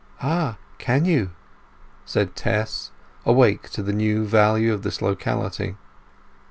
"Ah! Can you?" said Tess, awake to the new value of this locality.